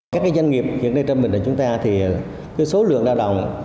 các doanh nghiệp hiện nay trong mình ở chúng ta thì số lượng lao động